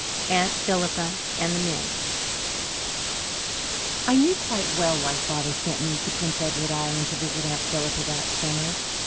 Aunt Philippa and the Men I knew quite well why Father sent me to Prince Edward Island to visit Aunt Philippa that summer.